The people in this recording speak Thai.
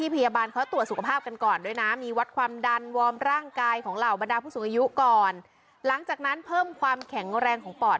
ผู้สูงอายุก่อนหลังจากนั้นเพิ่มความแข็งงบแรงของปอด